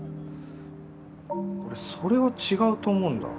俺それは違うと思うんだ。